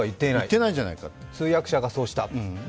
通訳者がそうした？